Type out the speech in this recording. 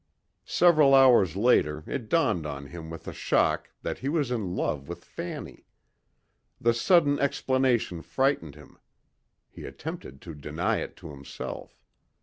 Several hours later it dawned on him with a shock that he was in love with Fanny. The sudden explanation frightened him. He attempted to deny it to himself.